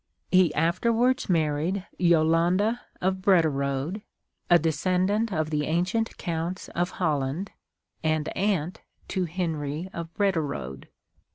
He afterwards mar ried Jolande of Brederode, a descendant of the ancient Counts of Holland, and aunt to Henry of Brederode."